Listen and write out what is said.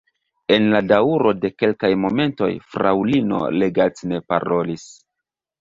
En la daŭro de kelkaj momentoj fraŭlino Leggat ne parolis.